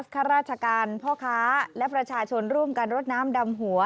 ข้าราชการพ่อค้าและประชาชนร่วมกันรดน้ำดำหัว